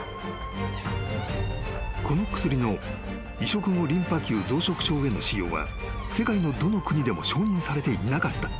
［この薬の移植後リンパ球増殖症への使用は世界のどの国でも承認されていなかった］